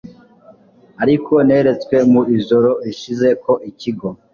ariko neretswe mu ijoro rishize ko ikigo